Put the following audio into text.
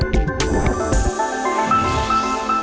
โปรดติดตามตอนต่อไป